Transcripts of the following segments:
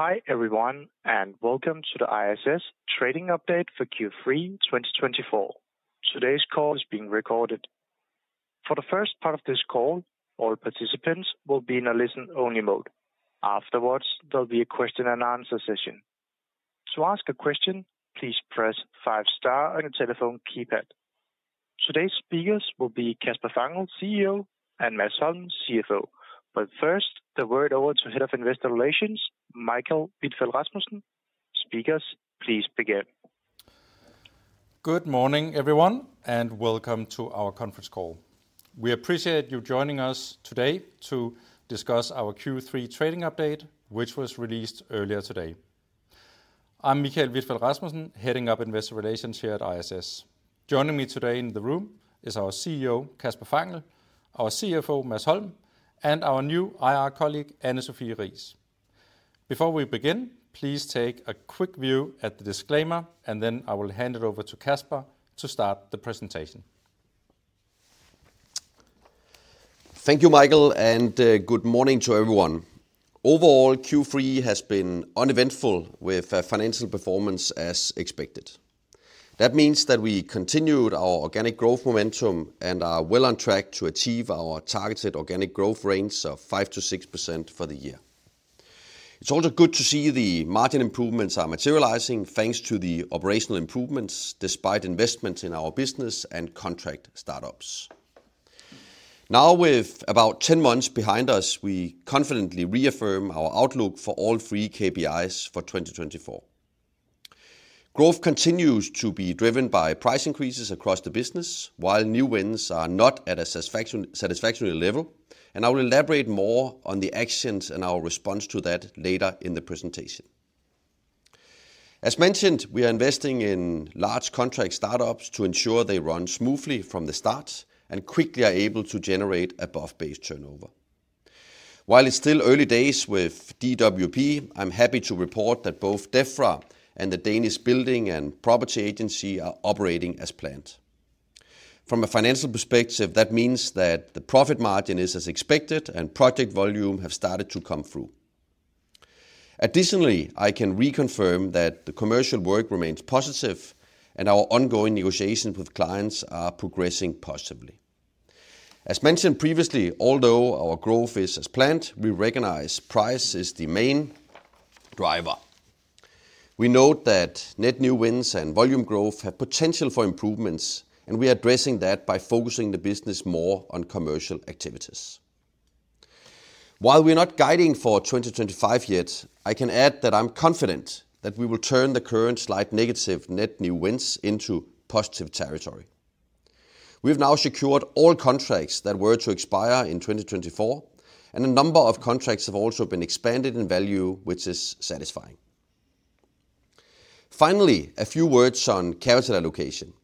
Hi everyone, and welcome to the ISS trading update for Q3 2024. Today's call is being recorded. For the first part of this call, all participants will be in a listen-only mode. Afterwards, there'll be a question-and-answer session. To ask a question, please press five star on your telephone keypad. Today's speakers will be Kasper Fangel, CEO, and Mads Holm, CFO. But first, the word over to Head of Investor Relations, Michael Vitfell-Rasmussen. Speakers, please begin. Good morning, everyone, and welcome to our conference call. We appreciate you joining us today to discuss our Q3 trading update, which was released earlier today. I'm Michael Vitfell-Rasmussen, heading up Investor Relations here at ISS. Joining me today in the room is our CEO, Kasper Fangel, our CFO, Mads Holm, and our new IR colleague, Anne Sophie Riis. Before we begin, please take a quick view at the disclaimer, and then I will hand it over to Kasper to start the presentation. Thank you, Michael, and good morning to everyone. Overall, Q3 has been uneventful with financial performance as expected. That means that we continued our organic growth momentum and are well on track to achieve our targeted organic growth range of 5%-6% for the year. It's also good to see the margin improvements are materializing thanks to the operational improvements despite investment in our business and contract startups. Now, with about 10 months behind us, we confidently reaffirm our outlook for all three KPIs for 2024. Growth continues to be driven by price increases across the business, while new wins are not at a satisfactory level, and I will elaborate more on the actions and our response to that later in the presentation. As mentioned, we are investing in large contract startups to ensure they run smoothly from the start and quickly are able to generate above base turnover. While it's still early days with DWP, I'm happy to report that both Defra and the Danish Building and Property Agency are operating as planned. From a financial perspective, that means that the profit margin is as expected, and project volume has started to come through. Additionally, I can reconfirm that the commercial work remains positive, and our ongoing negotiations with clients are progressing positively. As mentioned previously, although our growth is as planned, we recognize price is the main driver. We note that net new wins and volume growth have potential for improvements, and we are addressing that by focusing the business more on commercial activities. While we're not guiding for 2025 yet, I can add that I'm confident that we will turn the current slight negative net new wins into positive territory. We've now secured all contracts that were to expire in 2024, and a number of contracts have also been expanded in value, which is satisfying. Finally, a few words on capital allocation.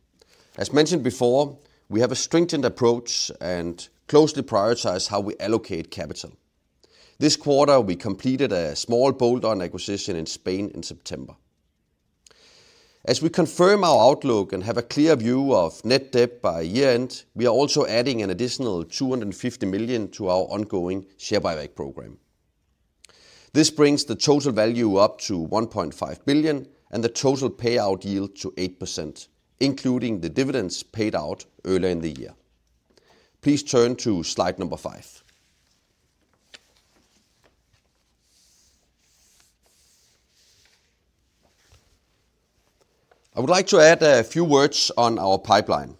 As mentioned before, we have a strengthened approach and closely prioritize how we allocate capital. This quarter, we completed a small bolt-on acquisition in Spain in September. As we confirm our outlook and have a clear view of net debt by year-end, we are also adding an additional 250 million to our ongoing share buyback program. This brings the total value up to 1.5 billion and the total payout yield to 8%, including the dividends paid out earlier in the year. Please turn to slide number five. I would like to add a few words on our pipeline.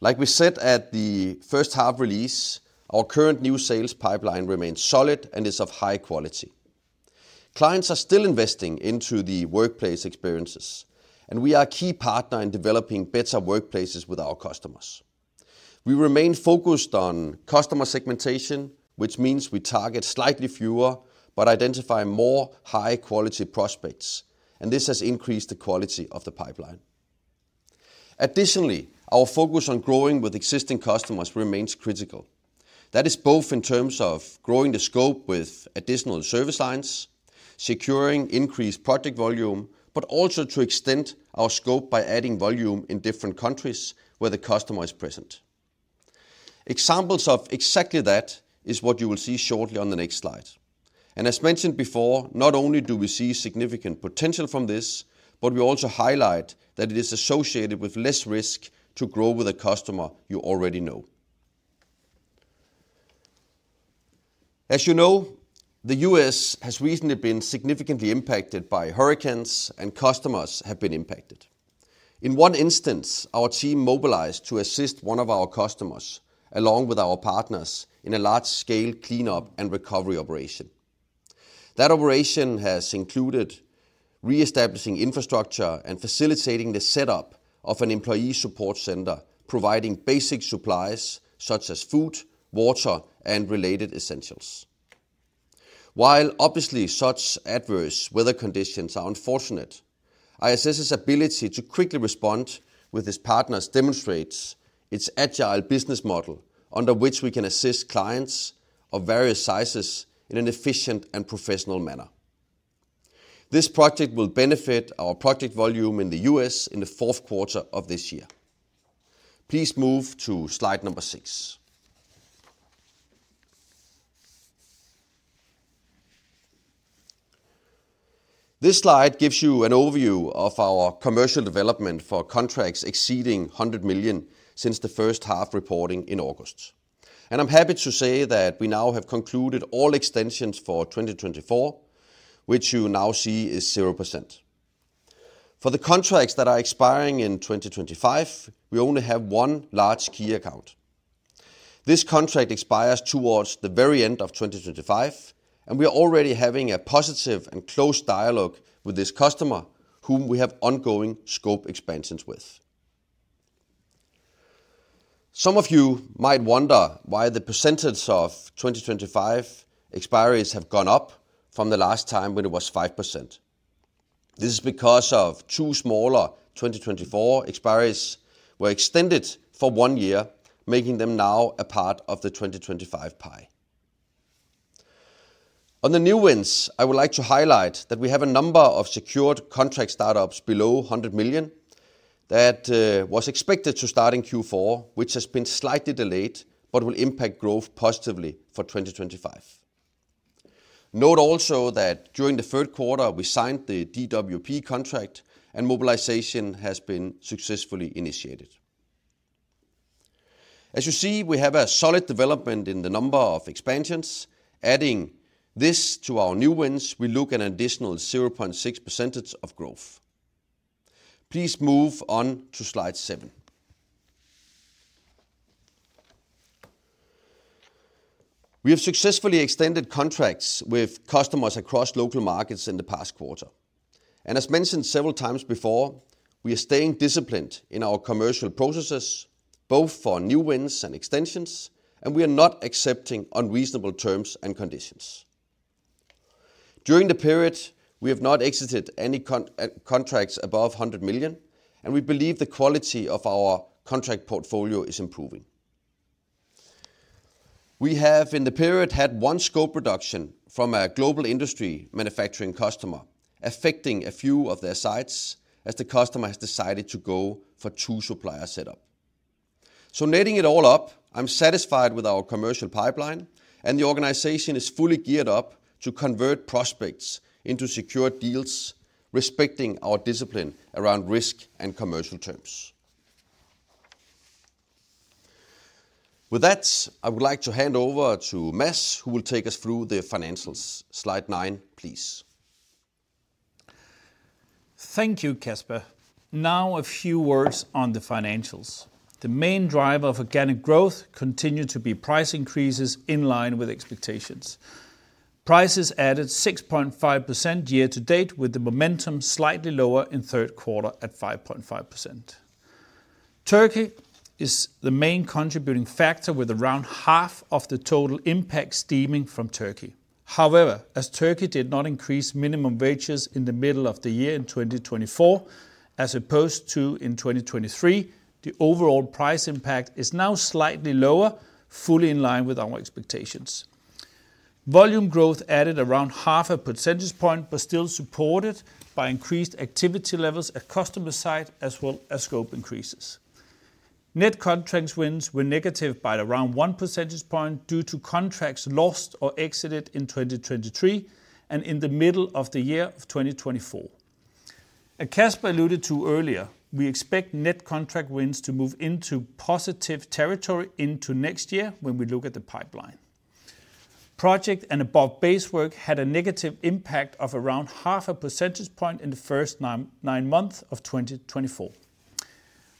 Like we said at the first half release, our current new sales pipeline remains solid and is of high quality. Clients are still investing into the workplace experiences, and we are a key partner in developing better workplaces with our customers. We remain focused on customer segmentation, which means we target slightly fewer but identify more high-quality prospects, and this has increased the quality of the pipeline. Additionally, our focus on growing with existing customers remains critical. That is both in terms of growing the scope with additional service lines, securing increased project volume, but also to extend our scope by adding volume in different countries where the customer is present. Examples of exactly that is what you will see shortly on the next slide, and as mentioned before, not only do we see significant potential from this, but we also highlight that it is associated with less risk to grow with a customer you already know. As you know, the U.S. has recently been significantly impacted by hurricanes, and customers have been impacted. In one instance, our team mobilized to assist one of our customers along with our partners in a large-scale cleanup and recovery operation. That operation has included reestablishing infrastructure and facilitating the setup of an employee support center, providing basic supplies such as food, water, and related essentials. While obviously such adverse weather conditions are unfortunate, ISS's ability to quickly respond with its partners demonstrates its agile business model under which we can assist clients of various sizes in an efficient and professional manner. This project will benefit our project volume in the U.S. in the fourth quarter of this year. Please move to slide number six. This slide gives you an overview of our commercial development for contracts exceeding 100 million since the first half reporting in August. I'm happy to say that we now have concluded all extensions for 2024, which you now see is 0%. For the contracts that are expiring in 2025, we only have one large key account. This contract expires towards the very end of 2025, and we are already having a positive and close dialogue with this customer, whom we have ongoing scope expansions with. Some of you might wonder why the percentage of 2025 expiries have gone up from the last time when it was 5%. This is because of two smaller 2024 expiries that were extended for one year, making them now a part of the 2025 pie. On the new wins, I would like to highlight that we have a number of secured contract startups below 100 million that were expected to start in Q4, which has been slightly delayed but will impact growth positively for 2025. Note also that during the third quarter, we signed the DWP contract, and mobilization has been successfully initiated. As you see, we have a solid development in the number of expansions. Adding this to our new wins, we look at an additional 0.6% of growth. Please move on to slide seven. We have successfully extended contracts with customers across local markets in the past quarter. As mentioned several times before, we are staying disciplined in our commercial processes, both for new wins and extensions, and we are not accepting unreasonable terms and conditions. During the period, we have not exited any contracts above 100 million, and we believe the quality of our contract portfolio is improving. We have in the period had one scope reduction from a global industry manufacturing customer affecting a few of their sites as the customer has decided to go for two supplier setup. So netting it all up, I'm satisfied with our commercial pipeline, and the organization is fully geared up to convert prospects into secure deals, respecting our discipline around risk and commercial terms. With that, I would like to hand over to Mads, who will take us through the financials. Slide nine, please. Thank you, Kasper. Now a few words on the financials. The main driver of organic growth continued to be price increases in line with expectations. Prices added 6.5% year to date, with the momentum slightly lower in third quarter at 5.5%. Turkey is the main contributing factor, with around half of the total impact stemming from Turkey. However, as Turkey did not increase minimum wages in the middle of the year in 2024 as opposed to in 2023, the overall price impact is now slightly lower, fully in line with our expectations. Volume growth added around 0.5 percentage points but still supported by increased activity levels at customer site as well as scope increases. Net contract wins were negative by around one percentage point due to contracts lost or exited in 2023 and in the middle of the year of 2024. As Kasper alluded to earlier, we expect net contract wins to move into positive territory into next year when we look at the pipeline. Project and above base work had a negative impact of around 0.5 percentage points in the first nine months of 2024.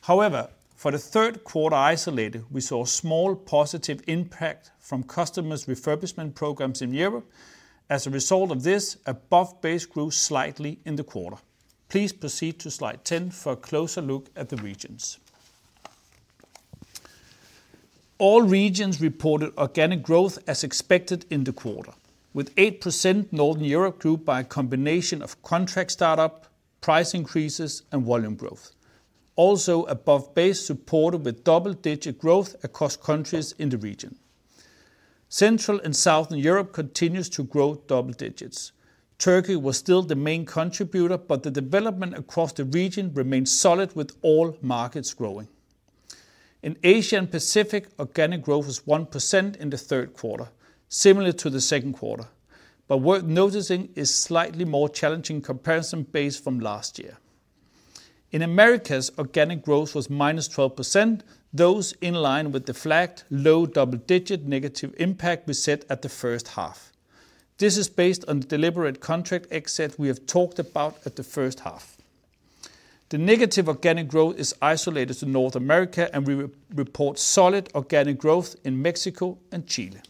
However, for the third quarter isolated, we saw a small positive impact from customers' refurbishment programs in Europe. As a result of this, above base grew slightly in the quarter. Please proceed to slide 10 for a closer look at the regions. All regions reported organic growth as expected in the quarter, with 8% Northern Europe grew by a combination of contract startup, price increases, and volume growth. Also, above base supported with double-digit growth across countries in the region. Central and Southern Europe continues to grow double digits. Turkey was still the main contributor, but the development across the region remained solid with all markets growing. In Asia Pacific, organic growth was 1% in the third quarter, similar to the second quarter, but worth noticing is slightly more challenging comparison based from last year. In Americas, organic growth was minus 12%, that's in line with the flagged low double-digit negative impact we set at the first half. This is based on the deliberate contract exit we have talked about at the first half. The negative organic growth is isolated to North America, and we report solid organic growth in Mexico and Chile,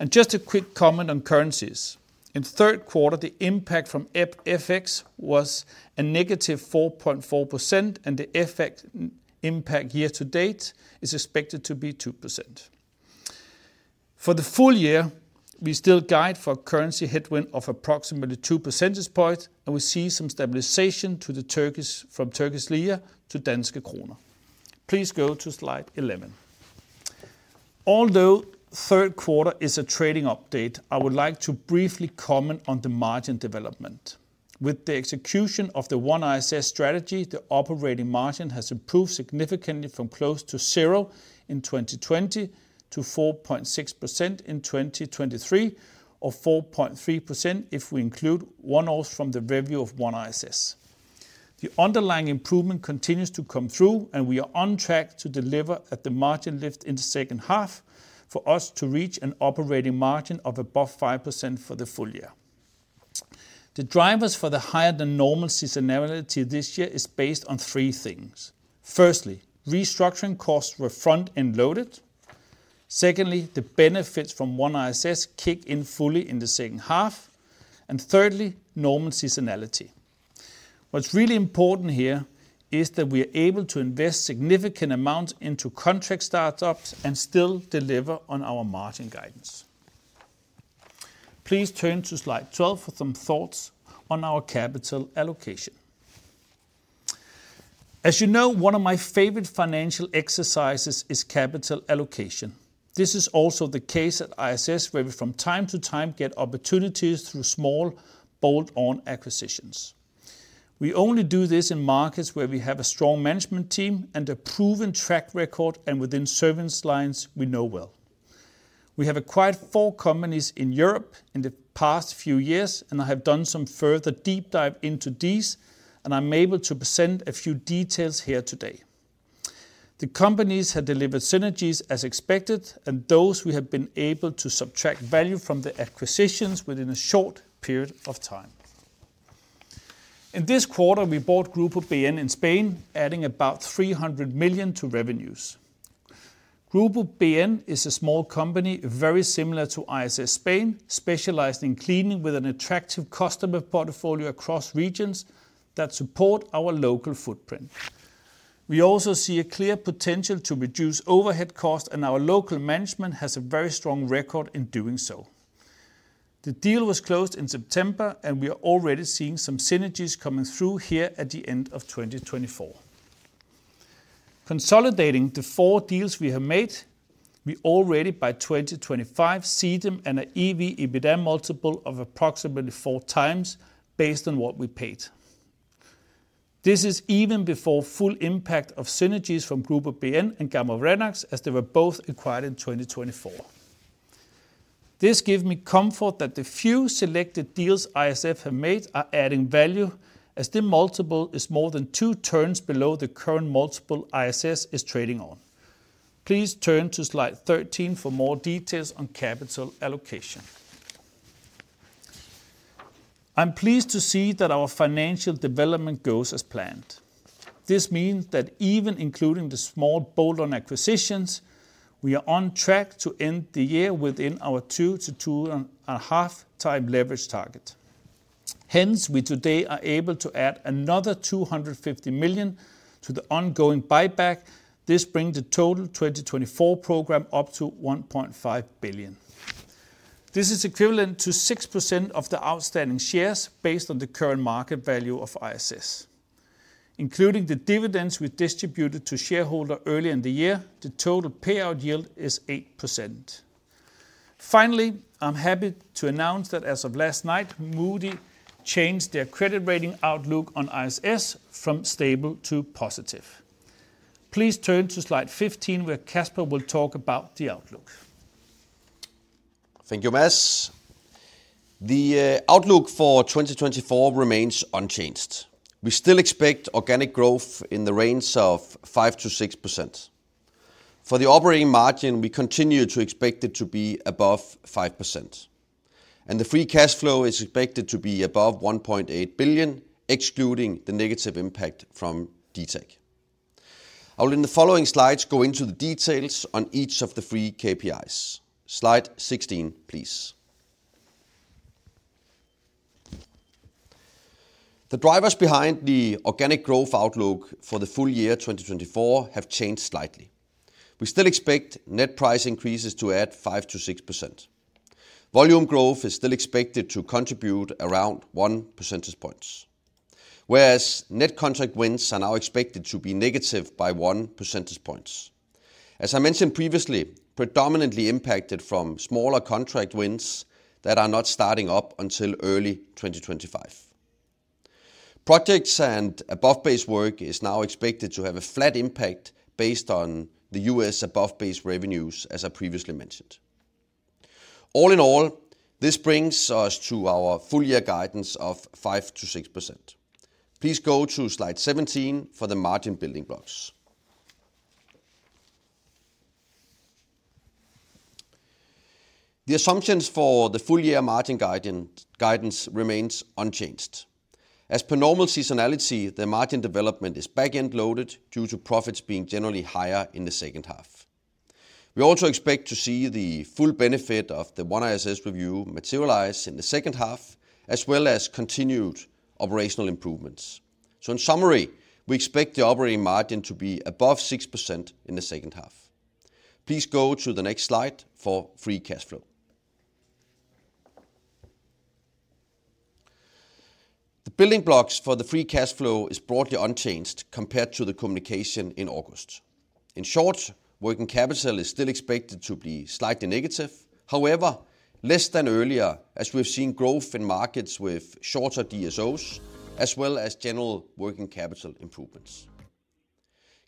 and just a quick comment on currencies. In third quarter, the impact from FX was a -4.4%, and the FX impact year to date is expected to be 2%. For the full year, we still guide for a currency headwind of approximately two percentage points, and we see some stabilization from Turkish Lira to Danish Krone. Please go to slide 11. Although third quarter is a trading update, I would like to briefly comment on the margin development. With the execution of the OneISS strategy, the operating margin has improved significantly from close to zero in 2020 to 4.6% in 2023, or 4.3% if we include one-offs from the revenue of OneISS. The underlying improvement continues to come through, and we are on track to deliver at the margin lift in the second half for us to reach an operating margin of above 5% for the full year. The drivers for the higher than normal seasonality this year are based on three things. Firstly, restructuring costs were front-end loaded. Secondly, the benefits from OneISS kicked in fully in the second half, and thirdly, normal seasonality. What's really important here is that we are able to invest significant amounts into contract startups and still deliver on our margin guidance. Please turn to slide 12 for some thoughts on our capital allocation. As you know, one of my favorite financial exercises is capital allocation. This is also the case at ISS, where we from time to time get opportunities through small bolt-on acquisitions. We only do this in markets where we have a strong management team and a proven track record, and within service lines we know well. We have acquired four companies in Europe in the past few years, and I have done some further deep dive into these, and I'm able to present a few details here today. The companies have delivered synergies as expected, and those we have been able to extract value from the acquisitions within a short period of time. In this quarter, we bought Grupo BN in Spain, adding about 300 million to revenues. Grupo BN is a small company, very similar to ISS Spain, specialized in cleaning with an attractive customer portfolio across regions that support our local footprint. We also see a clear potential to reduce overhead costs, and our local management has a very strong record in doing so. The deal was closed in September, and we are already seeing some synergies coming through here at the end of 2024. Consolidating the four deals we have made, we already by 2025 see them in an EV/EBITDA multiple of approximately four times based on what we paid. This is even before full impact of synergies from Grupo BN and gammaRenax, as they were both acquired in 2024. This gives me comfort that the few selected deals ISS have made are adding value, as the multiple is more than two turns below the current multiple ISS is trading on. Please turn to slide 13 for more details on capital allocation. I'm pleased to see that our financial development goes as planned. This means that even including the small bolt-on acquisitions, we are on track to end the year within our two- to two-and-a-half-times leverage target. Hence, we today are able to add another 250 million to the ongoing buyback. This brings the total 2024 program up to 1.5 billion. This is equivalent to 6% of the outstanding shares based on the current market value of ISS. Including the dividends we distributed to shareholders earlier in the year, the total payout yield is 8%. Finally, I'm happy to announce that as of last night, Moody's changed their credit rating outlook on ISS from stable to positive. Please turn to slide 15, where Kasper will talk about the outlook. Thank you, Mads. The outlook for 2024 remains unchanged. We still expect organic growth in the range of 5%-6%. For the operating margin, we continue to expect it to be above 5%. And the free cash flow is expected to be above 1.8 billion, excluding the negative impact from DTAG. I will in the following slides go into the details on each of the three KPIs. Slide 16, please. The drivers behind the organic growth outlook for the full year 2024 have changed slightly. We still expect net price increases to add 5%-6%. Volume growth is still expected to contribute around 1 percentage points, whereas net contract wins are now expected to be negative by 1 percentage points. As I mentioned previously, predominantly impacted from smaller contract wins that are not starting up until early 2025. Projects and above base work is now expected to have a flat impact based on the U.S. above base revenues, as I previously mentioned. All in all, this brings us to our full year guidance of 5% to 6%. Please go to slide 17 for the margin building blocks. The assumptions for the full year margin guidance remain unchanged. As per normal seasonality, the margin development is back-end loaded due to profits being generally higher in the second half. We also expect to see the full benefit of the OneISS review materialize in the second half, as well as continued operational improvements. So in summary, we expect the operating margin to be above 6% in the second half. Please go to the next slide for free cash flow. The building blocks for the free cash flow are broadly unchanged compared to the communication in August. In short, working capital is still expected to be slightly negative. However, less than earlier, as we have seen growth in markets with shorter DSOs, as well as general working capital improvements.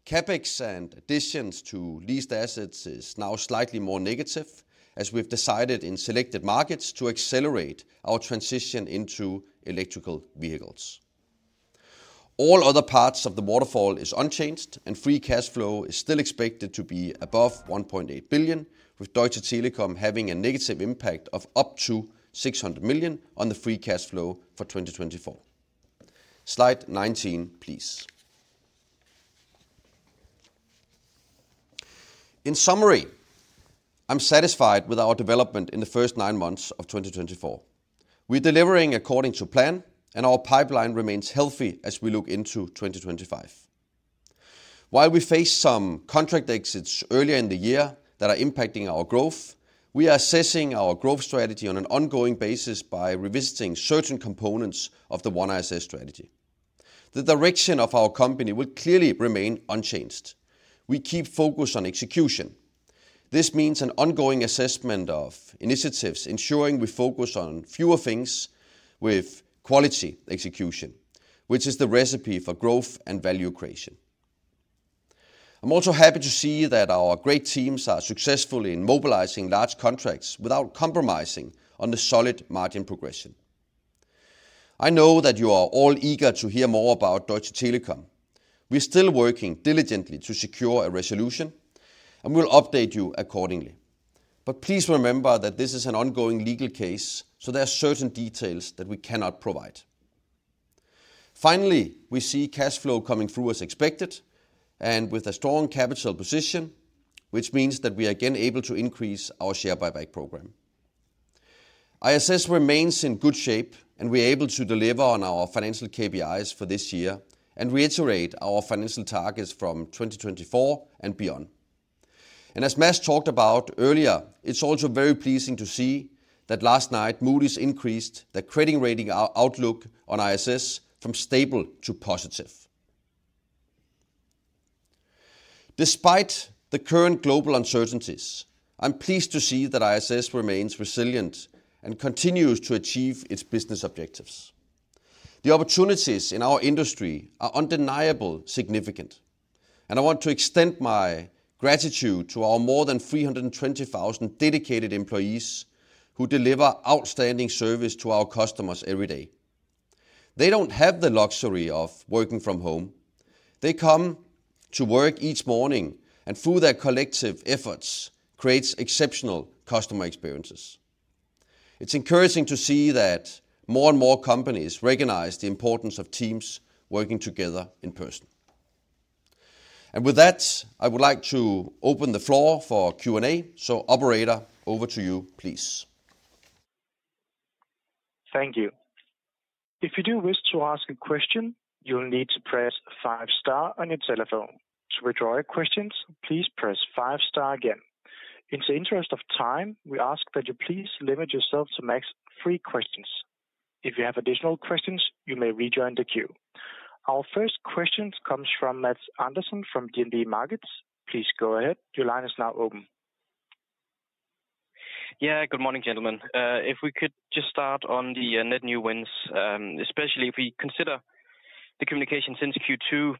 CapEx and additions to leased assets are now slightly more negative, as we have decided in selected markets to accelerate our transition into electric vehicles. All other parts of the waterfall are unchanged, and free cash flow is still expected to be above 1.8 billion, with Deutsche Telekom having a negative impact of up to 600 million on the free cash flow for 2024. Slide 19, please. In summary, I'm satisfied with our development in the first nine months of 2024. We are delivering according to plan, and our pipeline remains healthy as we look into 2025. While we face some contract exits earlier in the year that are impacting our growth, we are assessing our growth strategy on an ongoing basis by revisiting certain components of the OneISS strategy. The direction of our company will clearly remain unchanged. We keep focus on execution. This means an ongoing assessment of initiatives, ensuring we focus on fewer things with quality execution, which is the recipe for growth and value creation. I'm also happy to see that our great teams are successful in mobilizing large contracts without compromising on the solid margin progression. I know that you are all eager to hear more about Deutsche Telekom. We are still working diligently to secure a resolution, and we will update you accordingly. But please remember that this is an ongoing legal case, so there are certain details that we cannot provide. Finally, we see cash flow coming through as expected, and with a strong capital position, which means that we are again able to increase our share buyback program. ISS remains in good shape, and we are able to deliver on our financial KPIs for this year and reiterate our financial targets from 2024 and beyond, and as Mads talked about earlier, it's also very pleasing to see that last night Moody's increased the credit rating outlook on ISS from stable to positive. Despite the current global uncertainties, I'm pleased to see that ISS remains resilient and continues to achieve its business objectives. The opportunities in our industry are undeniably significant, and I want to extend my gratitude to our more than 320,000 dedicated employees who deliver outstanding service to our customers every day. They don't have the luxury of working from home. They come to work each morning, and through their collective efforts, create exceptional customer experiences. It's encouraging to see that more and more companies recognize the importance of teams working together in person. And with that, I would like to open the floor for Q&A. So, Operator, over to you, please. Thank you. If you do wish to ask a question, you'll need to press five star on your telephone. To withdraw your questions, please press five star again. In the interest of time, we ask that you please limit yourself to max three questions. If you have additional questions, you may rejoin the queue. Our first question comes from Mads Andersen from DNB Markets. Please go ahead. Your line is now open. Yeah, good morning, gentlemen. If we could just start on the net new wins, especially if we consider the communication since Q2,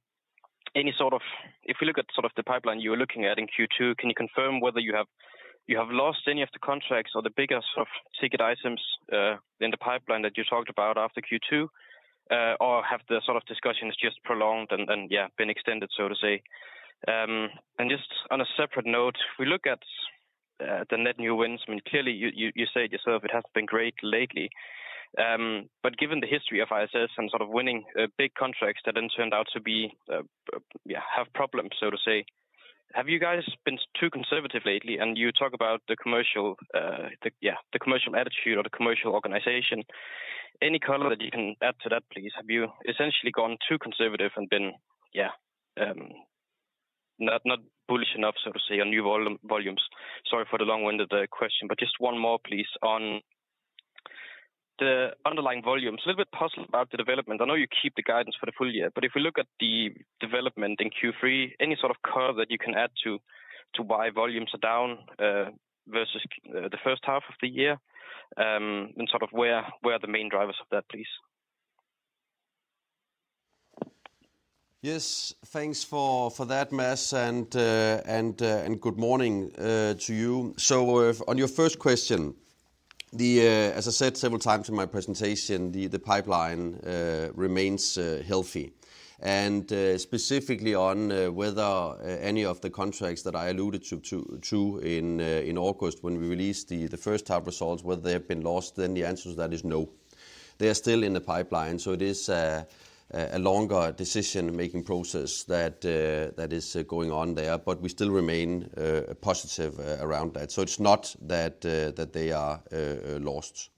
any sort of, if we look at sort of the pipeline you were looking at in Q2, can you confirm whether you have lost any of the contracts or the biggest sort of ticket items in the pipeline that you talked about after Q2, or have the sort of discussions just prolonged and, yeah, been extended, so to say? And just on a separate note, if we look at the net new wins, I mean, clearly you said yourself it has been great lately. But given the history of ISS and sort of winning big contracts that then turned out to have problems, so to say, have you guys been too conservative lately? And you talk about the commercial, yeah, the commercial attitude or the commercial organization. Any color that you can add to that, please? Have you essentially gone too conservative and been, yeah, not bullish enough, so to say, on new volumes? Sorry for the long-winded question, but just one more, please, on the underlying volumes. A little bit puzzled about the development. I know you keep the guidance for the full year, but if we look at the development in Q3, any sort of color that you can add to why volumes are down versus the first half of the year? And sort of where are the main drivers of that, please? Yes, thanks for that, Mads. And good morning to you. So on your first question, as I said several times in my presentation, the pipeline remains healthy. And specifically on whether any of the contracts that I alluded to in August when we released the first half results, whether they have been lost, then the answer to that is no. They are still in the pipeline. So it is a longer decision-making process that is going on there, but we still remain positive around that. So it's not that they are lost.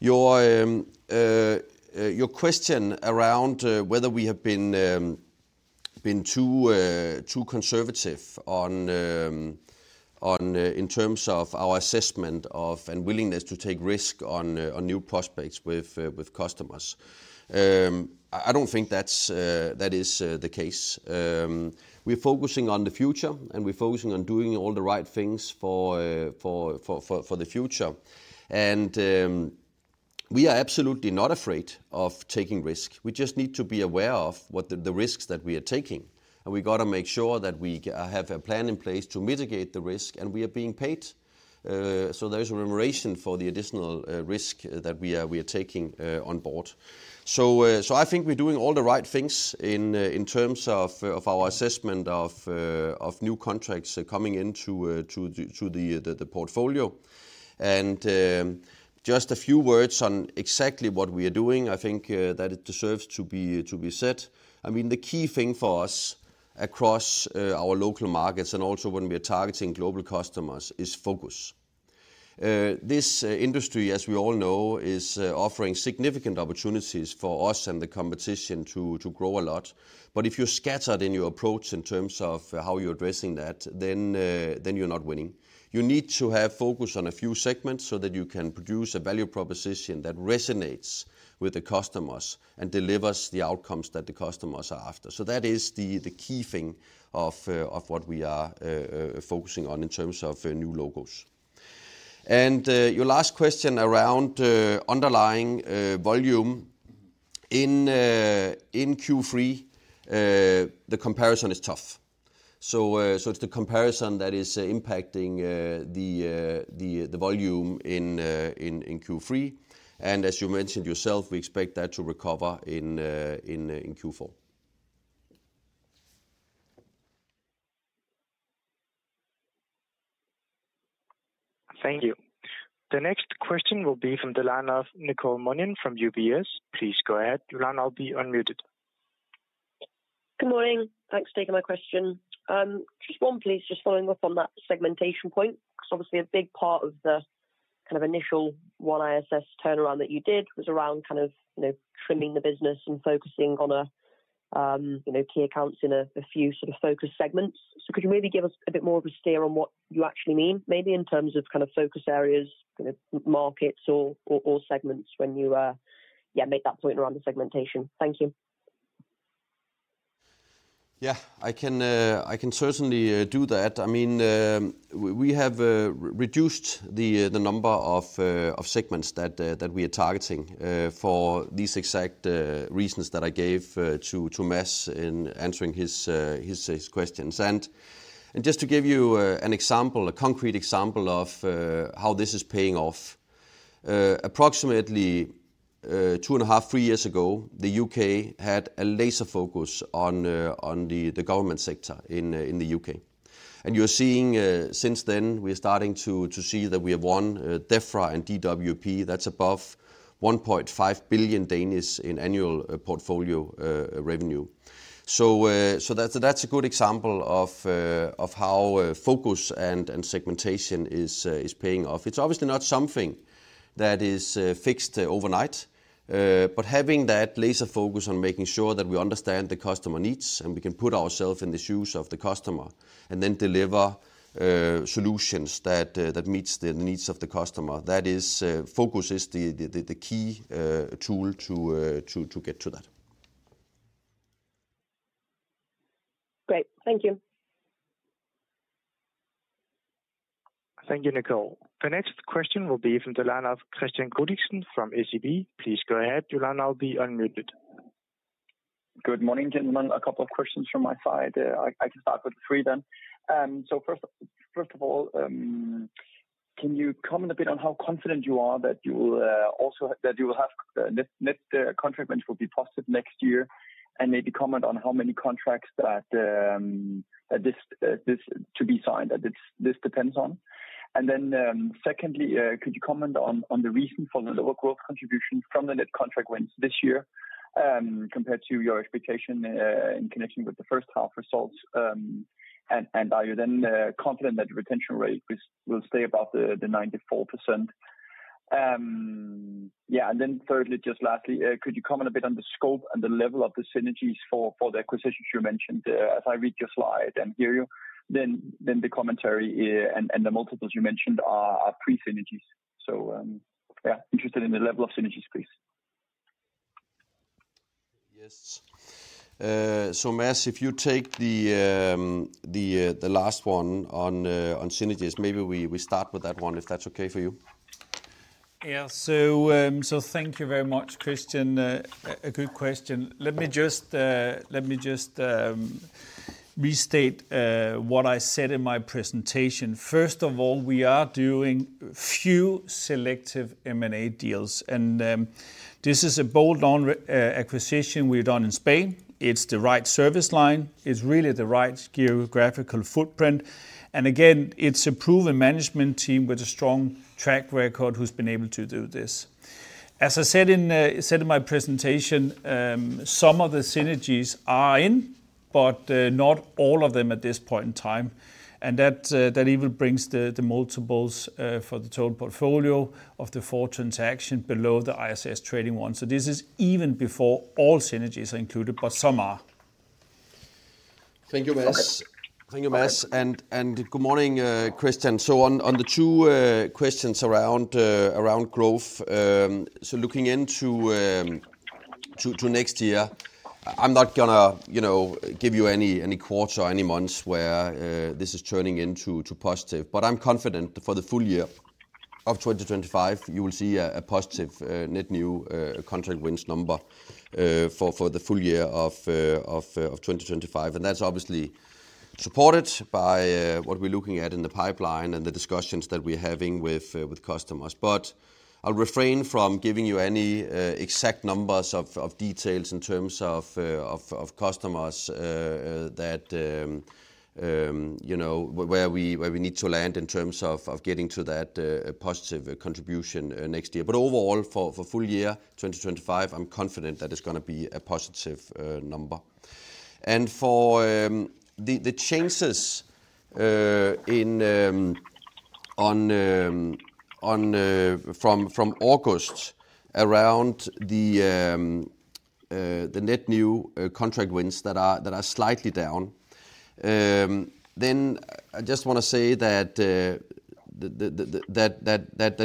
Your question around whether we have been too conservative in terms of our assessment of and willingness to take risk on new prospects with customers, I don't think that is the case. We are focusing on the future, and we are focusing on doing all the right things for the future. We are absolutely not afraid of taking risk. We just need to be aware of the risks that we are taking. We got to make sure that we have a plan in place to mitigate the risk, and we are being paid. So there is a remuneration for the additional risk that we are taking on board. So I think we're doing all the right things in terms of our assessment of new contracts coming into the portfolio. Just a few words on exactly what we are doing, I think that it deserves to be said. I mean, the key thing for us across our local markets and also when we are targeting global customers is focus. This industry, as we all know, is offering significant opportunities for us and the competition to grow a lot. But if you're scattered in your approach in terms of how you're addressing that, then you're not winning. You need to have focus on a few segments so that you can produce a value proposition that resonates with the customers and delivers the outcomes that the customers are after. So that is the key thing of what we are focusing on in terms of new logos. And your last question around underlying volume in Q3, the comparison is tough. So it's the comparison that is impacting the volume in Q3. And as you mentioned yourself, we expect that to recover in Q4. Thank you. The next question will be from Nicole Manion from UBS. Please go ahead, your line will be unmuted. Good morning. Thanks for taking my question. Just one, please, just following up on that segmentation point, because obviously a big part of the kind of initial OneISS turnaround that you did was around kind of trimming the business and focusing on key accounts in a few sort of focus segments. So could you maybe give us a bit more of a steer on what you actually mean, maybe in terms of kind of focus areas, markets, or segments when you make that point around the segmentation? Thank you. Yeah, I can certainly do that. I mean, we have reduced the number of segments that we are targeting for these exact reasons that I gave to Mads in answering his questions. And just to give you an example, a concrete example of how this is paying off, approximately two and a half, three years ago, the U.K. had a laser focus on the government sector in the U.K. And you're seeing since then we are starting to see that we have won Defra and DWP. That's above 1.5 billion in annual portfolio revenue. So that's a good example of how focus and segmentation is paying off. It's obviously not something that is fixed overnight, but having that laser focus on making sure that we understand the customer needs and we can put ourselves in the shoes of the customer and then deliver solutions that meet the needs of the customer. That is, focus is the key tool to get to that. Great. Thank you. Thank you, Nicole. The next question will be from Kristian Godiksen from SEB. Please go ahead, your line will be unmuted. Good morning, gentlemen. A couple of questions from my side. I can start with three then. So first of all, can you comment a bit on how confident you are that you will have net contract wins will be positive next year and maybe comment on how many contracts that are to be signed that this depends on? And then secondly, could you comment on the reason for the lower growth contribution from the net contract wins this year compared to your expectation in connection with the first half results? And are you then confident that the retention rate will stay about the 94%? Yeah. And then thirdly, just lastly, could you comment a bit on the scope and the level of the synergies for the acquisitions you mentioned? As I read your slide and hear you, then the commentary and the multiples you mentioned are pre-synergies. Yeah, interested in the level of synergies, please. Yes. So Mads, if you take the last one on synergies, maybe we start with that one if that's okay for you. Yeah. So thank you very much, Kristian. A good question. Let me just restate what I said in my presentation. First of all, we are doing few selective M&A deals. And this is a bolt-on acquisition we've done in Spain. It's the right service line. It's really the right geographical footprint. And again, it's a proven management team with a strong track record who's been able to do this. As I said in my presentation, some of the synergies are in, but not all of them at this point in time. And that even brings the multiples for the total portfolio of the four transactions below the ISS trading one. So this is even before all synergies are included, but some are. Thank you, Mads. Thank you, Mads. And good morning, Kristian. So on the two questions around growth, so looking into next year, I'm not going to give you any quarter or any months where this is turning into positive. But I'm confident for the full year of 2025, you will see a positive net new contract wins number for the full year of 2025. And that's obviously supported by what we're looking at in the pipeline and the discussions that we're having with customers. But I'll refrain from giving you any exact numbers or details in terms of customers that we need to land in terms of getting to that positive contribution next year. But overall, for full year 2025, I'm confident that it's going to be a positive number. And for the changes from August around the net new contract wins that are slightly down, then I just want to say that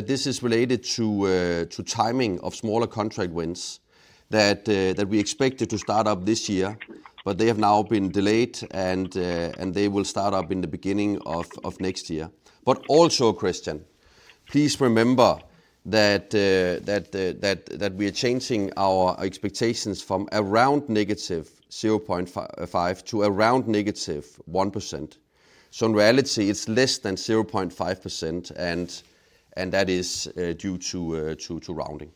this is related to timing of smaller contract wins that we expected to start up this year, but they have now been delayed and they will start up in the beginning of next year. But also, Kristian, please remember that we are changing our expectations from around -0.5% to around -1%. So in reality, it's less than 0.5%, and that is due to rounding.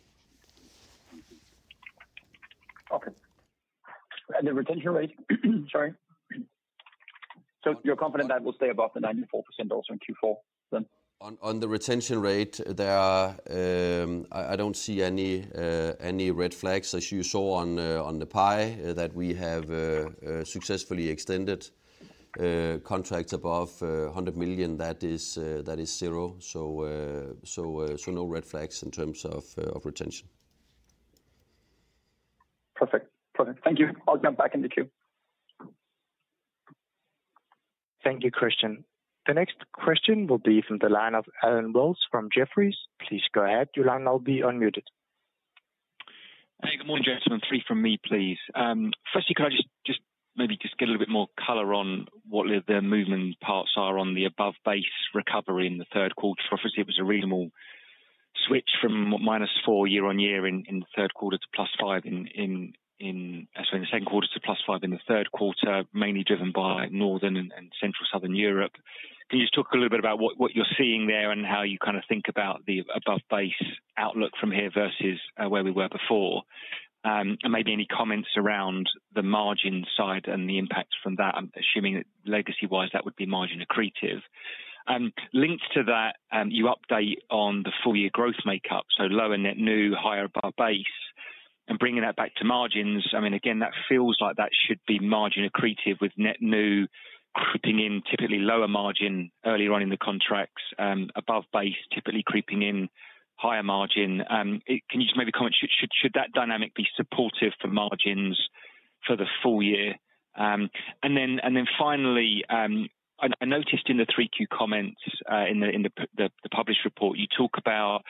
Okay. And the retention rate, sorry? So you're confident that will stay above the 94% also in Q4 then? On the retention rate, I don't see any red flags as you saw on the pie that we have successfully extended contracts above 100 million. That is zero. So no red flags in terms of retention. Perfect. Perfect. Thank you. I'll jump back in the queue. Thank you, Kristian. The next question will be from the line of Allen Wells from Jefferies. Please go ahead, your line will be unmuted. Hey, good morning, gentlemen. Three from me, please. Firstly, could I just maybe get a little bit more color on what the moving parts are on the above base recovery in the third quarter? Obviously, it was a reasonable switch from -4% year-on-year in the third quarter to +5% in, sorry, in the second quarter to +5% in the third quarter, mainly driven by Northern Europe and Central and Southern Europe. Can you just talk a little bit about what you're seeing there and how you kind of think about the above base outlook from here versus where we were before, and maybe any comments around the margin side and the impact from that, assuming legacy-wise that would be margin accretive, and linked to that, your update on the full year growth makeup, so lower net new, higher above base. Bringing that back to margins, I mean, again, that feels like that should be margin accretive with net new creeping in, typically lower margin early on in the contracts, above base typically creeping in, higher margin. Can you just maybe comment? Should that dynamic be supportive for margins for the full year? And then finally, I noticed in the 3Q comments in the published report, you talk about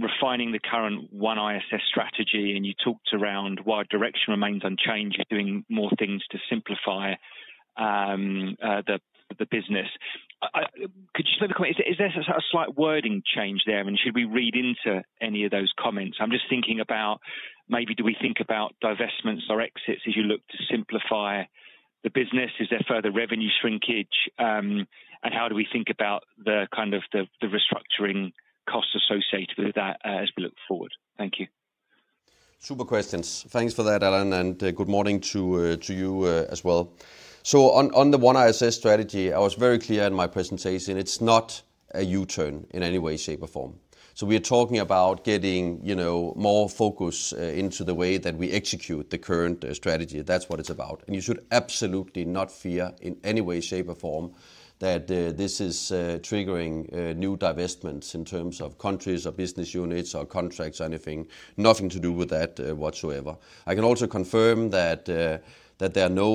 refining the current OneISS strategy, and you talked around why direction remains unchanged, doing more things to simplify the business. Could you just maybe comment? Is there a slight wording change there, and should we read into any of those comments? I'm just thinking about maybe do we think about divestments or exits as you look to simplify the business? Is there further revenue shrinkage, and how do we think about the kind of restructuring costs associated with that as we look forward? Thank you. Super questions. Thanks for that, Allen, and good morning to you as well. So on the OneISS strategy, I was very clear in my presentation. It's not a U-turn in any way, shape, or form. So we are talking about getting more focus into the way that we execute the current strategy. That's what it's about. And you should absolutely not fear in any way, shape, or form that this is triggering new divestments in terms of countries or business units or contracts or anything. Nothing to do with that whatsoever. I can also confirm that there are no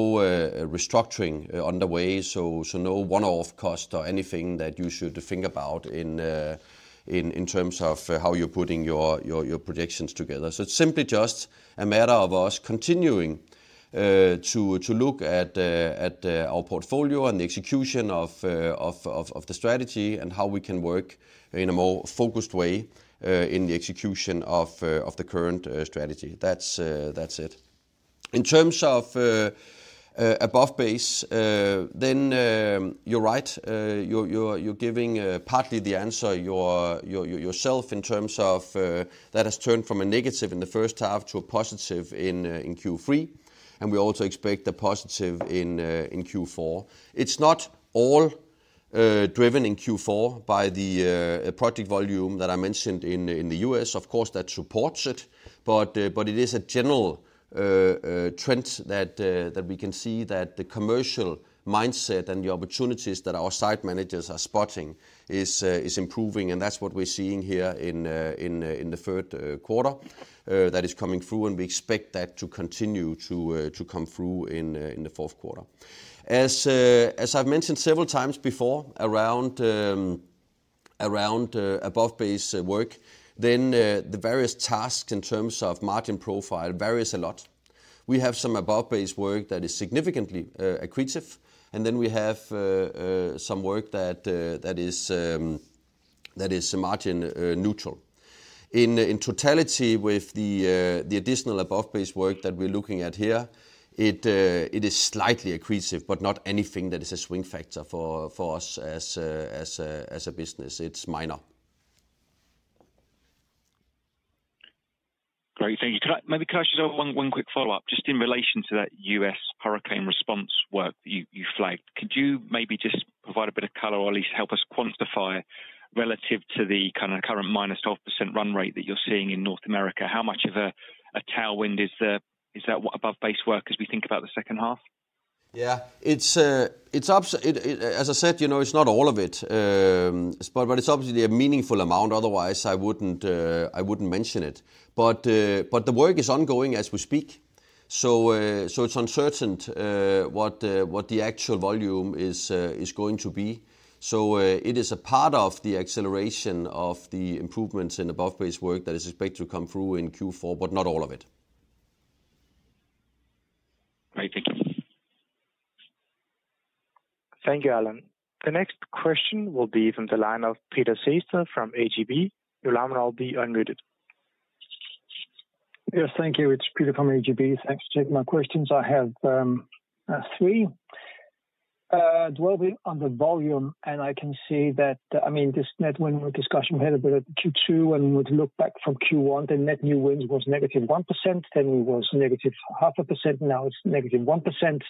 restructuring underway, so no one-off cost or anything that you should think about in terms of how you're putting your projections together. So it's simply just a matter of us continuing to look at our portfolio and the execution of the strategy and how we can work in a more focused way in the execution of the current strategy. That's it. In terms of above base, then you're right. You're giving partly the answer yourself in terms of that has turned from a negative in the first half to a positive in Q3. And we also expect a positive in Q4. It's not all driven in Q4 by the project volume that I mentioned in the US. Of course, that supports it. But it is a general trend that we can see that the commercial mindset and the opportunities that our site managers are spotting is improving. And that's what we're seeing here in the third quarter that is coming through. We expect that to continue to come through in the fourth quarter. As I've mentioned several times before around above base work, then the various tasks in terms of margin profile vary a lot. We have some above base work that is significantly accretive. Then we have some work that is margin neutral. In totality, with the additional above base work that we're looking at here, it is slightly accretive, but not anything that is a swing factor for us as a business. It's minor. Great. Thank you. Maybe Kasper, just one quick follow-up. Just in relation to that U.S. hurricane response work that you flagged, could you maybe just provide a bit of color or at least help us quantify relative to the kind of current -12% run rate that you're seeing in North America? How much of a tailwind is that above base work as we think about the second half? Yeah. As I said, it's not all of it. But it's obviously a meaningful amount. Otherwise, I wouldn't mention it. But the work is ongoing as we speak. So it's uncertain what the actual volume is going to be. So it is a part of the acceleration of the improvements in above base work that is expected to come through in Q4, but not all of it. Great. Thank you. Thank you, Alan. The next question will be from the line of Peter Sehested from ABG. Your line will be unmuted. Yes, thank you. It's Peter from ABG. Thanks for taking my questions. I have three. Dwelling on the volume, and I can see that, I mean, this net wins discussion we had a bit at Q2, and we look back from Q1, the net new wins was -1%. Then it was -0.5%. Now it's -1%.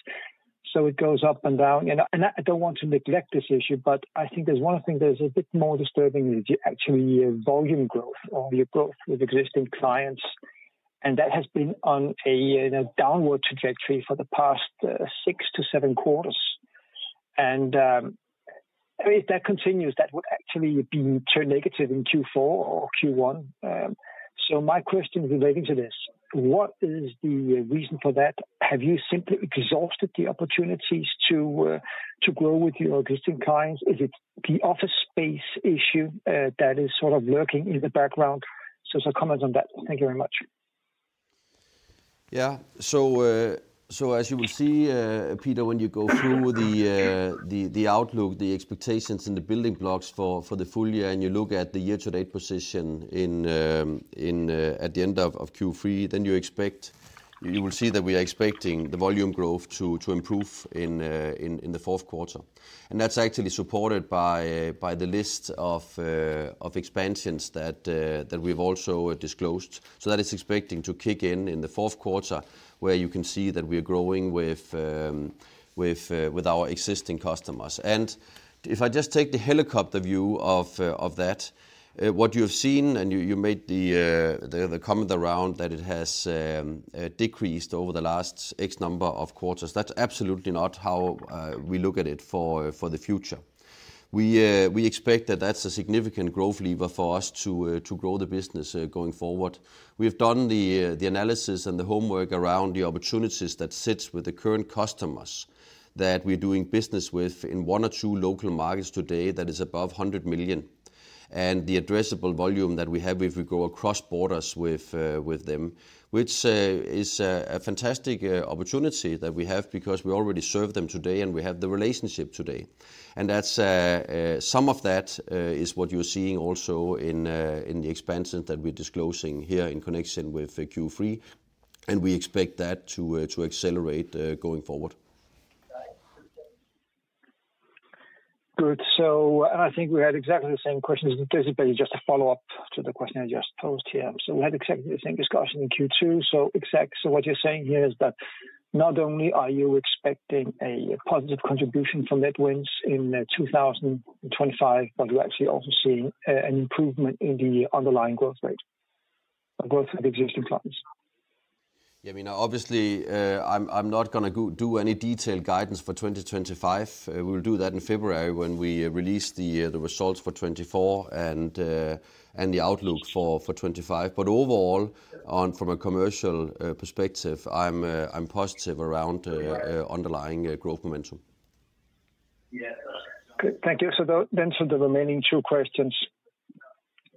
So it goes up and down. And I don't want to neglect this issue, but I think there's one thing that is a bit more disturbing is actually volume growth or your growth with existing clients. And that has been on a downward trajectory for the past six to seven quarters. And if that continues, that would actually be turned negative in Q4 or Q1. So my question relating to this, what is the reason for that? Have you simply exhausted the opportunities to grow with your existing clients? Is it the office space issue that is sort of lurking in the background? So some comments on that. Thank you very much. Yeah. So, as you will see, Peter, when you go through the outlook, the expectations and the building blocks for the full year, and you look at the year-to-date position at the end of Q3, then you expect, you will see that we are expecting the volume growth to improve in the fourth quarter. And that's actually supported by the list of expansions that we've also disclosed. So that is expecting to kick in in the fourth quarter where you can see that we are growing with our existing customers. And if I just take the helicopter view of that, what you have seen, and you made the comment around that it has decreased over the last x number of quarters, that's absolutely not how we look at it for the future. We expect that that's a significant growth lever for us to grow the business going forward. We have done the analysis and the homework around the opportunities that sit with the current customers that we're doing business with in one or two local markets today that is above 100 million. And the addressable volume that we have if we go across borders with them, which is a fantastic opportunity that we have because we already serve them today and we have the relationship today. And some of that is what you're seeing also in the expansions that we're disclosing here in connection with Q3. And we expect that to accelerate going forward. Good. So I think we had exactly the same questions. This is basically just a follow-up to the question I just posed here. So we had exactly the same discussion in Q2. So what you're saying here is that not only are you expecting a positive contribution from net wins in 2025, but you're actually also seeing an improvement in the underlying growth rate of existing clients. Yeah, I mean, obviously, I'm not going to do any detailed guidance for 2025. We will do that in February when we release the results for 2024 and the outlook for 2025. But overall, from a commercial perspective, I'm positive around underlying growth momentum. Thank you. So then to the remaining two questions.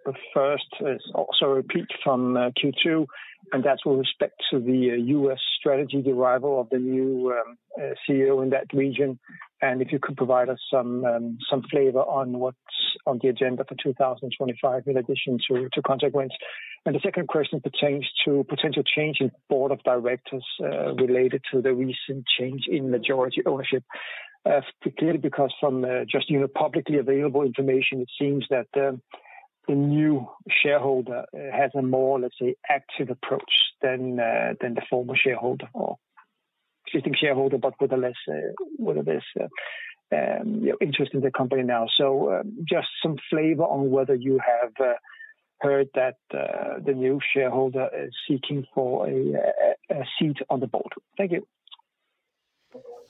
The first is also a repeat from Q2, and that's with respect to the U.S. strategy arrival of the new CEO in that region. And if you could provide us some flavor on what's on the agenda for 2025 in addition to consequence. And the second question pertains to potential change in board of directors related to the recent change in majority ownership. Clearly, because from just publicly available information, it seems that the new shareholder has a more, let's say, active approach than the former shareholder or existing shareholder, but with less interest in the company now. So just some flavor on whether you have heard that the new shareholder is seeking for a seat on the board. Thank you.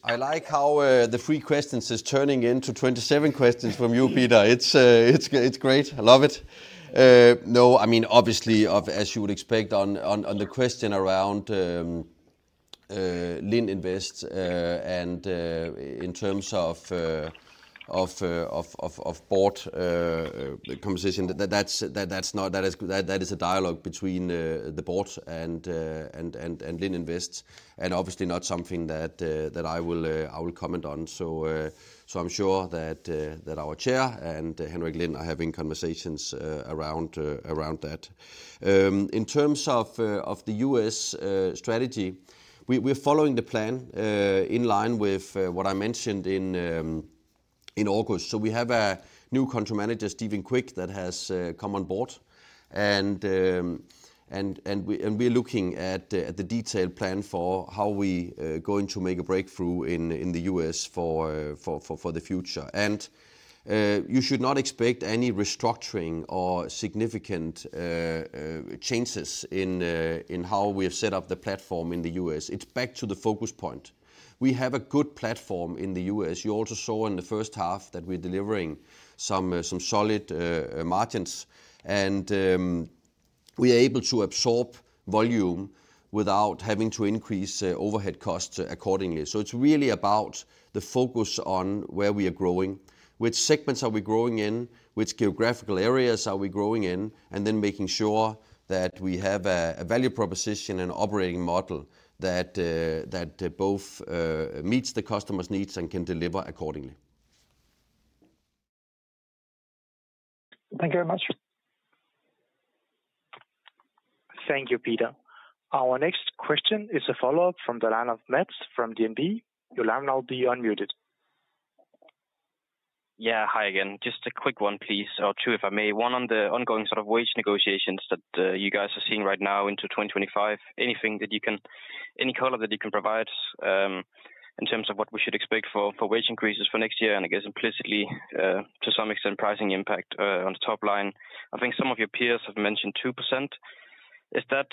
I like how the three questions is turning into 27 questions from you, Peter. It's great. I love it. No, I mean, obviously, as you would expect on the question around Lind Invest and in terms of Board composition, that is a dialogue between the board and Lind Invest, and obviously, not something that I will comment on, so I'm sure that our Chair and Henrik Lind are having conversations around that. In terms of the U.S. strategy, we're following the plan in line with what I mentioned in August, so we have a new country manager, Steven Quick, that has come on board, and we are looking at the detailed plan for how we are going to make a breakthrough in the U.S. for the future, and you should not expect any restructuring or significant changes in how we have set up the platform in the U.S. It's back to the focus point. We have a good platform in the U.S. You also saw in the first half that we're delivering some solid margins, and we are able to absorb volume without having to increase overhead costs accordingly, so it's really about the focus on where we are growing, which segments are we growing in, which geographical areas are we growing in, and then making sure that we have a value proposition and operating model that both meets the customer's needs and can deliver accordingly. Thank you very much. Thank you, Peter. Our next question is a follow-up from Mads Rosendal from DNB Markets. Your line will be unmuted. Yeah, hi again. Just a quick one, please, or two if I may. One on the ongoing sort of wage negotiations that you guys are seeing right now into 2025. Anything that you can, any color that you can provide in terms of what we should expect for wage increases for next year and I guess implicitly to some extent pricing impact on the top line. I think some of your peers have mentioned 2%. Is that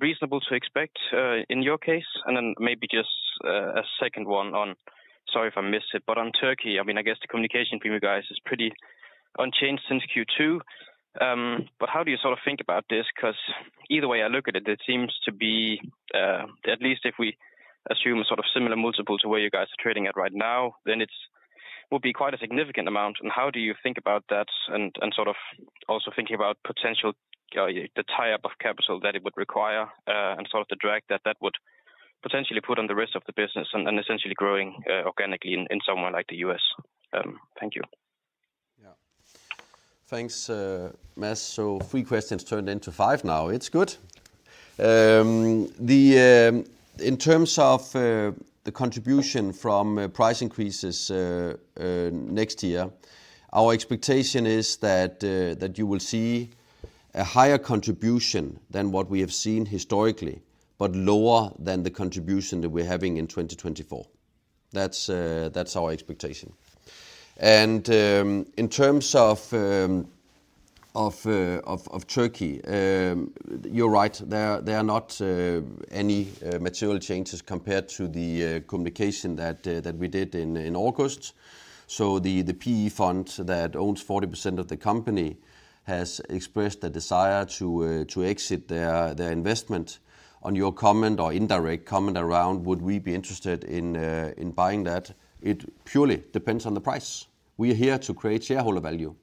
reasonable to expect in your case? And then maybe just a second one on, sorry if I missed it, but on Turkey, I mean, I guess the communication from you guys is pretty unchanged since Q2. But how do you sort of think about this? Because either way I look at it, it seems to be, at least if we assume a sort of similar multiple to where you guys are trading at right now, then it would be quite a significant amount. And how do you think about that and sort of also thinking about potential, the tie-up of capital that it would require and sort of the drag that that would potentially put on the rest of the business and essentially growing organically in somewhere like the U.S.? Thank you. Yeah. Thanks, Mads. So three questions turned into five now. It's good. In terms of the contribution from price increases next year, our expectation is that you will see a higher contribution than what we have seen historically, but lower than the contribution that we're having in 2024. That's our expectation. And in terms of Turkey, you're right. There are not any material changes compared to the communication that we did in August. So the PE fund that owns 40% of the company has expressed a desire to exit their investment. On your comment or indirect comment around, would we be interested in buying that? It purely depends on the price. We are here to create shareholder value.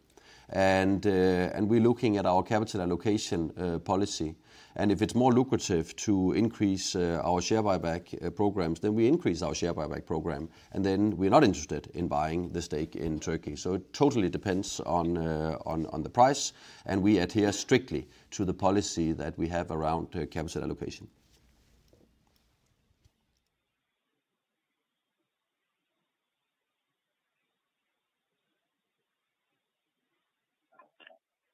And we're looking at our capital allocation policy. And if it's more lucrative to increase our share buyback programs, then we increase our share buyback program. And then we're not interested in buying the stake in Turkey. So it totally depends on the price. And we adhere strictly to the policy that we have around capital allocation.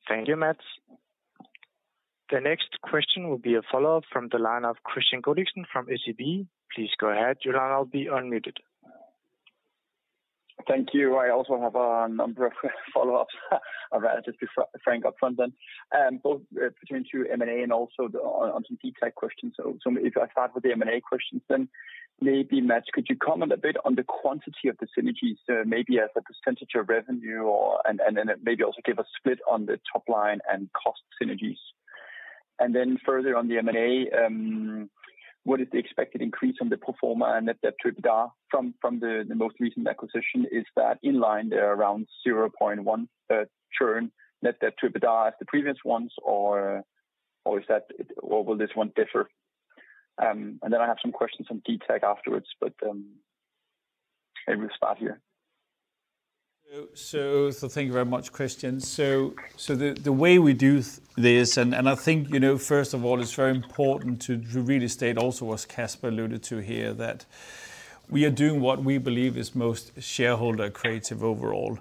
Thank you, Mads. The next question will be a follow-up from the line of Kristian Godiksen from SEB. Please go ahead. Your line will be unmuted. Thank you. I also have a number of follow-ups. I'd rather be frank up front then. Both between two M&A and also on some DTAG questions. So if I start with the M&A questions, then maybe, Mads, could you comment a bit on the quantity of the synergies? Maybe as a percentage of revenue and then maybe also give a split on the top line and cost synergies. And then further on the M&A, what is the expected increase on the pro forma and net debt-to-EBITDA from the most recent acquisition? Is that in line there around 0.1x net debt-to-EBITDA as the previous ones, or will this one differ? And then I have some questions on DTAG afterwards, but maybe we'll start here. Thank you very much, Kristian. The way we do this, and I think, first of all, it's very important to really state also what Kasper alluded to here, that we are doing what we believe is most shareholder creative overall.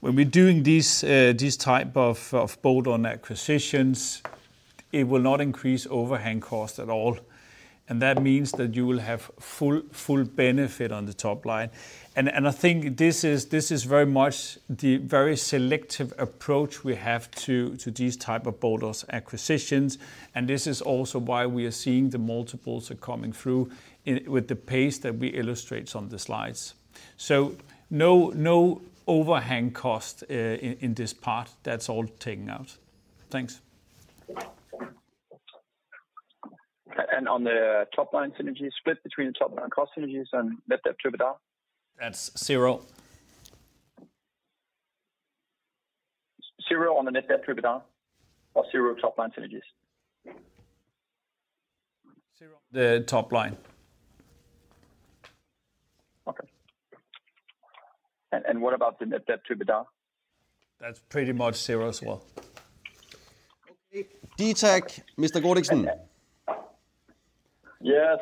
When we're doing these type of bolt-on acquisitions, it will not increase overhead costs at all. And that means that you will have full benefit on the top line. And I think this is very much the very selective approach we have to these type of bolt-on acquisitions. And this is also why we are seeing the multiples are coming through with the pace that we illustrate on the slides. No overhead cost in this part. That's all taken out. Thanks. On the top-line synergies, split between the top-line and cost synergies and net debt-to-EBITDA? That's zero. Zero on the net debt-to-EBITDA or zero top line synergies? Zero. The top line. Okay. And what about the net debt-to-EBITDA? That's pretty much zero as well. DTAG, Mr. Godiksen? Yes.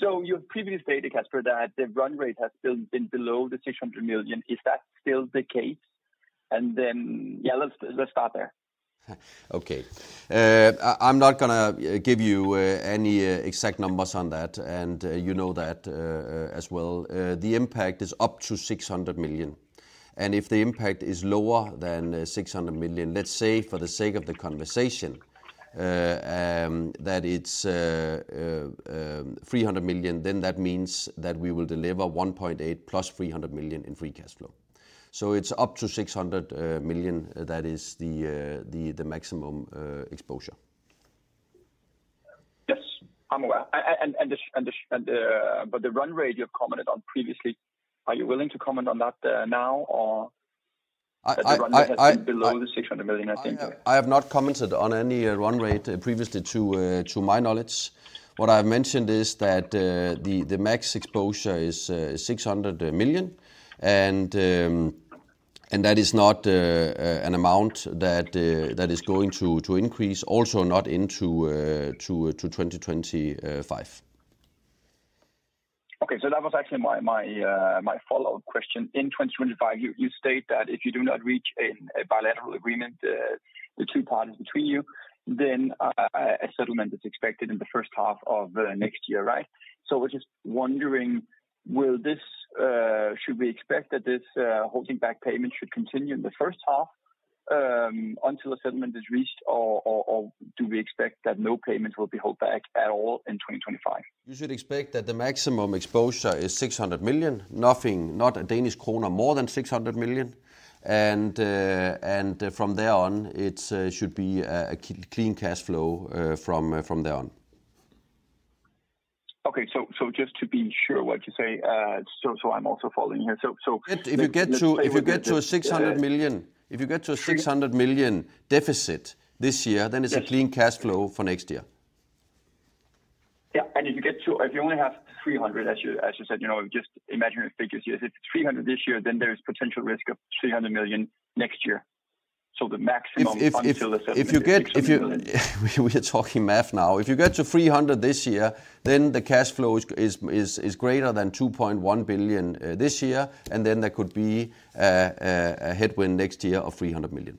So you previously stated, Kasper, that the run rate has still been below the 600 million. Is that still the case? And then, yeah, let's start there. Okay. I'm not going to give you any exact numbers on that. And you know that as well. The impact is up to 600 million. And if the impact is lower than 600 million, let's say for the sake of the conversation that it's 300 million, then that means that we will deliver 1.8 billion plus 300 million in free cash flow. So it's up to 600 million that is the maximum exposure. Yes, I'm aware. But the run rate you've commented on previously, are you willing to comment on that now or is the run rate below the DKK 600 million? I have not commented on any run rate previously to my knowledge. What I've mentioned is that the max exposure is 600 million, and that is not an amount that is going to increase, also not into 2025. Okay. So that was actually my follow-up question. In 2025, you state that if you do not reach a bilateral agreement, the two parties between you, then a settlement is expected in the first half of next year, right? So we're just wondering, should we expect that this holding back payment should continue in the first half until a settlement is reached, or do we expect that no payments will be held back at all in 2025? You should expect that the maximum exposure is 600 million, nothing, not a Danish krone more than 600 million, and from there on, it should be a clean cash flow from there on. Okay. So just to be sure what you say, so I'm also following here. If you get to a 600 million, if you get to a 600 million deficit this year, then it's a clean cash flow for next year. Yeah. And if you only have 300 million, as you said, just imagine a figure here. If it's 300 this year, then there is potential risk of 300 million next year. So the maximum until the settlement. If you get, we are talking math now. If you get to 300 million this year, then the cash flow is greater than 2.1 billion this year. And then there could be a headwind next year of 300 million.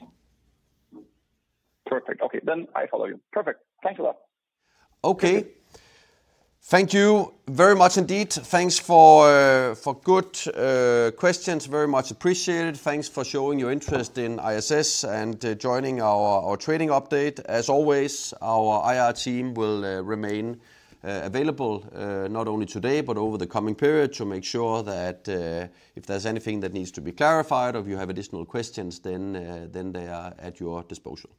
Perfect. Okay. Then I follow you. Perfect. Thanks a lot. Okay. Thank you very much indeed. Thanks for good questions. Very much appreciated. Thanks for showing your interest in ISS and joining our trading update. As always, our IR team will remain available not only today, but over the coming period to make sure that if there's anything that needs to be clarified or if you have additional questions, then they are at your disposal.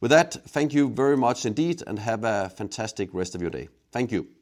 With that, thank you very much indeed and have a fantastic rest of your day. Thank you.